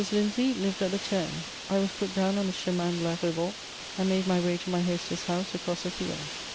Lindsay lived at the Ternes. I was put down on the Chemin de la Révolte, and made my way to my hostess' house across the fields.